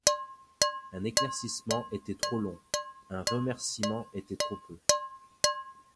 Un éclaircissement était trop long, un remercîment était trop peu.